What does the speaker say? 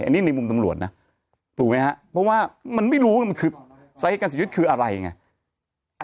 อันนี้ในมุมตำรวจนะถูกมั้ยฮะเพราะว่ามันไม่รู้สาเหตุการเสียชีวิตคืออะไรไง